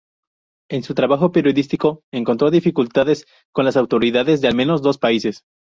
En su trabajo periodístico, encontró dificultades con las autoridades de al menos dos países.